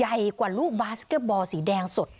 ใหญ่กว่าลูกบาสเก็ตบอลสีแดงสด